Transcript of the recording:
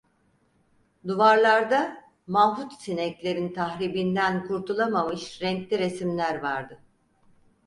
Duvarlarda, mahut sineklerin tahribinden kurtulamamış renkli resimler vardı.